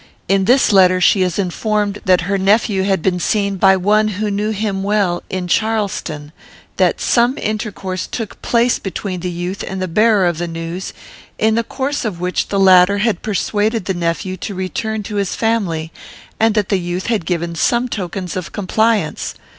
In this letter, she is informed that her nephew had been seen by one who knew him well, in Charleston; that some intercourse took place between the youth and the bearer of the news, in the course of which the latter had persuaded the nephew to return to his family, and that the youth had given some tokens of compliance.